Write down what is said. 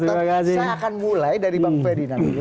saya akan mulai dari bang ferdinand dulu